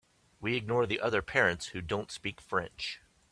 We ignore the other parents who don’t speak French.